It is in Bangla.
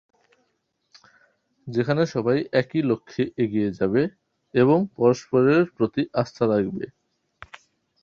যেখানে সবাই একই লক্ষ্যে এগিয়ে যাবে এবং পরস্পরের প্রতি আস্থা রাখবে।